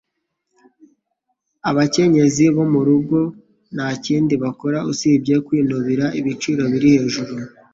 Abakenyezi bo murugo nta kindi bakora usibye kwinubira ibiciro biri hejuru.